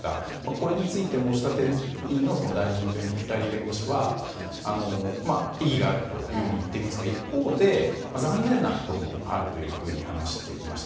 これについて申立人の代理人弁護士は異議があるというふうに言っていますが一方で、残念なこともあると話していました。